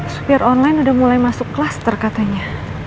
supir online udah mulai masuk kelas terkatanya